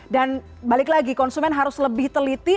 dan balik lagi konsumen harus lebih teliti